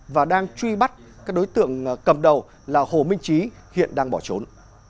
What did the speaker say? và đang truy bắt các đối tượng cầm đầu là hồ minh trí hiện đang bỏ trốn